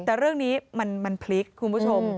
แต่เรื่องนี้มันพลิกคุณผู้ชม